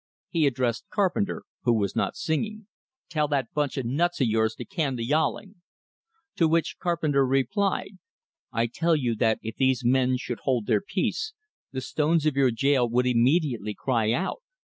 He addressed Carpenter, who was not singing. "Tell that bunch of nuts of yours to can the yowling." To which Carpenter replied: "I tell you that if these men should hold their peace, the stones of your jail would immediately cry out!"